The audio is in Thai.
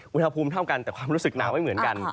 อุณหภูมิเท่ากันแต่ความรู้สึกหนาวไม่เหมือนกัน